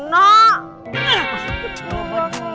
masuk ke rumah